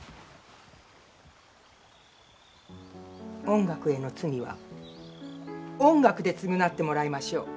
音楽への罪は音楽で償ってもらいましょう。